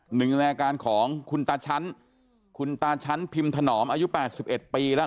หนึ่งในอาการของคุณตาชั้นคุณตาชั้นพิมพ์ถนอมอายุ๘๑ปีแล้ว